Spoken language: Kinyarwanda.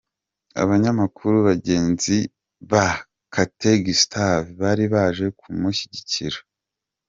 Abanyamakuru bagenzi ba Kate Gustave bari baje kumushyigikira.